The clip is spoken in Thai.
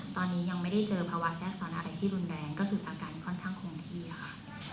ตอนนี้ยังไม่ได้เจอภาวะแทรกซ้อนอะไรที่รุนแรงก็คืออาการค่อนข้างคงที่ค่ะ